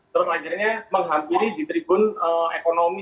terus akhirnya menghampiri di tribun ekonomi